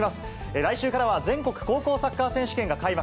来週からは、全国高校サッカー選手権が開幕。